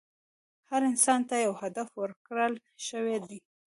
هر انسان ته یو هدف ورکړل شوی دی.